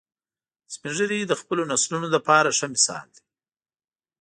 سپین ږیری د خپلو نسلونو لپاره ښه مثال دي